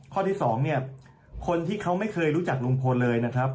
ข้อที่สองเนี่ยคนที่เขาไม่เคยรู้จักลุงพลเลยนะครับ